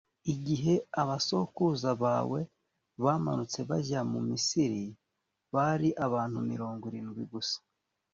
igihe abasokuruza bawe bamanutse bajya mu misiri, bari abantu mirongo irindwi gusa;